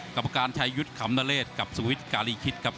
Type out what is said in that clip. กรรมการชายยุทธ์ขำนเลศกับสุวิทย์การีคิดครับ